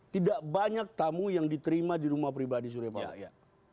tidak banyak tamu yang diterima di rumah pribadi suriapala